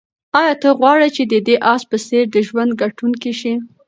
آیا ته غواړې چې د دې آس په څېر د ژوند ګټونکی شې؟